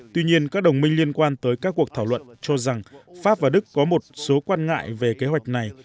tuy nhiên các đồng minh liên quan tới các cuộc thảo luận cho rằng pháp và đức có một số quan ngại về kế hoạch này